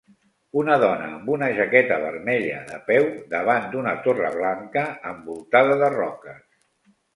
Una dona amb una jaqueta vermella de peu davant d'una torre blanca envoltada de roques.